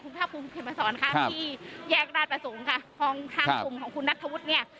คุณภาคภูมิเข็มมาสอนค่ะที่แยกราชประสงค์ค่ะของทางกลุ่มของคุณนัทธวุฒิเนี่ย